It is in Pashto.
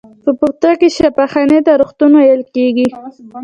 په پښتو کې شفاخانې ته روغتون ویل کیږی.